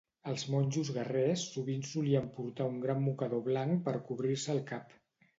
Els monjos guerrers sovint solien portar un gran mocador blanc per cobrir-se el cap.